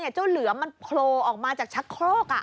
เหลือมันโผล่ออกมาจากชักโครก